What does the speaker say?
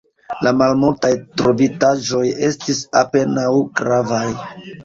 La malmultaj trovitaĵoj estis apenaŭ gravaj.